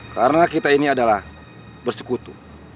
karena kita ini adalah bersekutu